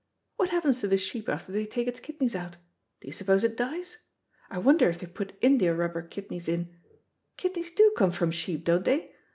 What happens to the sheep after they take its kidneys out? Do you suppose it dies? I wonder if they put india rubber kidneys in. Kidneys do come from sheep, don't they?